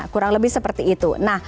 kurang lebih seperti itu